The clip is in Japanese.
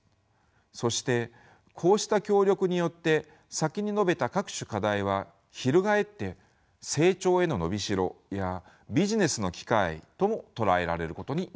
そしてこうした協力によって先に述べた各種課題は翻って成長への伸びしろやビジネスの機会とも捉えられることになります。